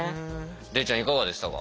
礼ちゃんいかがでしたか？